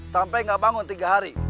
sampai nggak bangun tiga hari